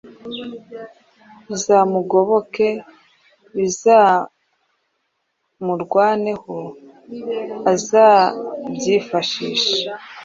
bizamugoboke: Bizamurwaneho, azabyifashishe